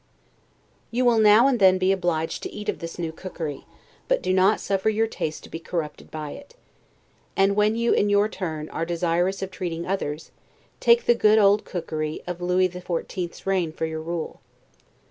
You will now and then be obliged to eat of this new cookery, but do not suffer your taste to be corrupted by it. And when you, in your turn, are desirous of treating others, take the good old cookery of Lewis XIV.'s reign for your rule.